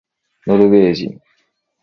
ノルウェー人